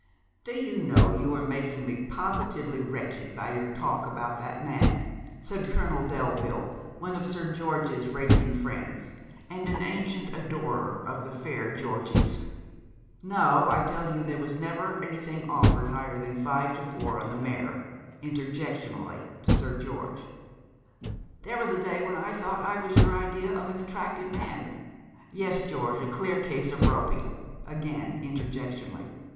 'Do you know you are making me positively wretched by your talk about that man?' said Colonel Delville, one of Sir George's racing friends, and an ancient adorer of the fair Georgie's. 'No, I tell you there was never anything offered higher than five to four on the mare,' interjectionally, to Sir George. 'There was a day when I thought I was your idea of an attractive man. Yes, George, a clear case of roping,' again interjectionally.